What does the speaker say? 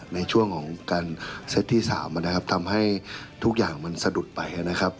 ในช่วงของการเซตที่๓นะครับทำให้ทุกอย่างมันสะดุดไปนะครับ